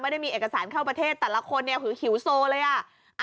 ได้มีเอกสารเข้าประเทศแต่ละคนเนี่ยคือหิวโซเลยอ่ะ